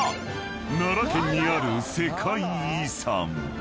［奈良県にある世界遺産］